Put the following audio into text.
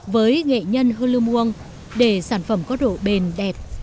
với nghệ nhân lưu muông để sản phẩm có độ bền đẹp